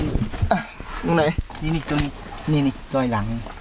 นี่นี่รอยหลัง